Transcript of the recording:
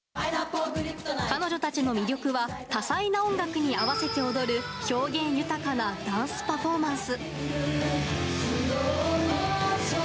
彼女たちの魅力は、多彩な音楽に合わせて踊る、表現豊かなダンスパフォーマンス。